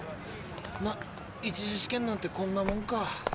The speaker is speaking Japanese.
ま１次試験なんてこんなもんか。